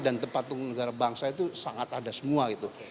dan terpatung negara bangsa itu sangat ada semua gitu